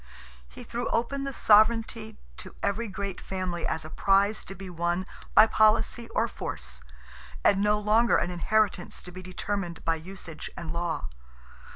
He threw open the sovereignty to every great family as a prize to be won by policy or force, and no longer an inheritance to be determined by usage and law.